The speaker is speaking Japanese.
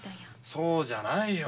そうじゃないよ。